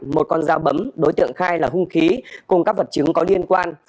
một con dao bấm đối tượng khai là hung khí cùng các vật chứng có liên quan